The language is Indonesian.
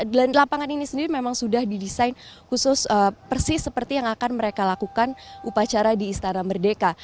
dan lapangan ini sendiri memang sudah didesain khusus persis seperti yang akan mereka lakukan upacara di istana merdeka